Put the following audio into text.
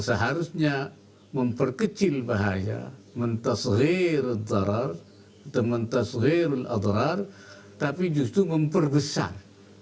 seharusnya memperkecil bahaya menteskir darah teman tasir al adhar tapi justru memperbesar